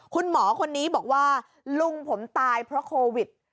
คุณหมอคนนี้บอกว่าลุงผมตายเพราะโควิด